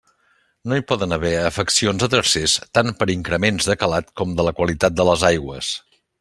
No hi poden haver afeccions a tercers tant per increments de calat com de la qualitat de les aigües.